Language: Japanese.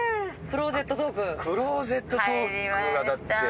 クローゼットトークはだって。